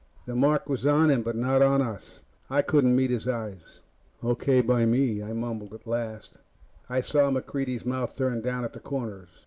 The mark was on him, but not on us. I couldn't meet his eyes. "O.K. by me," I mumbled at last. I saw MacReidie's mouth turn down at the corners.